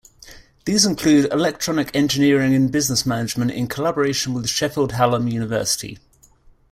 These include electronic engineering and business management in collaboration with Sheffield Hallam University.